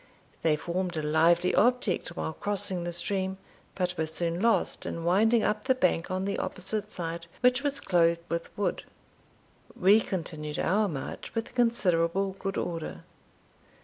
They formed a lively object while crossing the stream, but were soon lost in winding up the bank on the opposite side, which was clothed with wood. We continued our march with considerable good order.